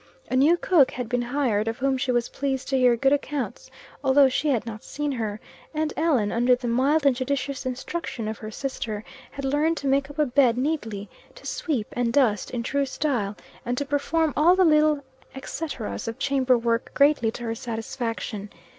A new cook had been hired, of whom she was pleased to hear good accounts, although she had not seen her, and Ellen, under the mild and judicious instruction of her sister, had learned to make up a bed neatly, to sweep, and dust in true style, and to perform all the little etceteras of chamber work greatly to her satisfaction.